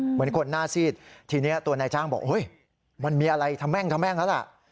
เหมือนคนหน้าซีดทีนี้ตัวนายจ้างบอกมันมีอะไรทะแม่งทะแม่งแล้วล่ะ